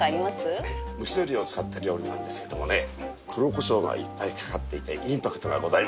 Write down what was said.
蒸し鶏を使った料理なんですけどもね黒こしょうがいっぱい掛かっていてインパクトがございます。